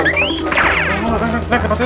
naik naik naik naik naik